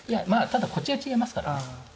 ただこっちが違いますからね。